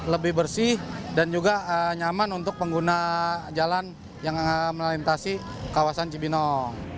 lebih bersih dan juga nyaman untuk pengguna jalan yang melintasi kawasan cibinong